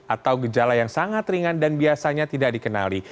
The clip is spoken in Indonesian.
atau gejala yang sangat ringan dan biasanya tidak dikenali